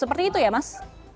betul ya mas